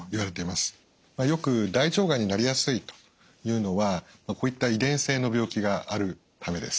よく大腸がんになりやすいというのはこういった遺伝性の病気があるためです。